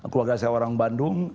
keluarga saya orang bandung